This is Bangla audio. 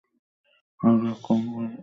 আমাদের আক্রমণ করবে না তো?